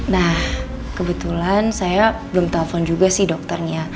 nah kebetulan saya belum telpon juga sih dokternya